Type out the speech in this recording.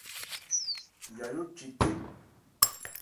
Yayó che thé.